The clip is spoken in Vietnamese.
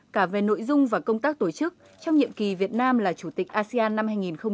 cả về nội dung và công tác tổ chức trong nhiệm kỳ việt nam là chủ tịch asean năm hai nghìn hai mươi